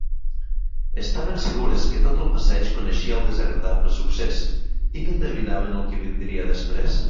Estaven segures que tot el passeig coneixia el desagradable succés, i que endevinaven el que vindria després.